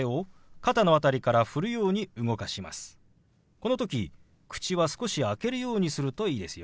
この時口は少し開けるようにするといいですよ。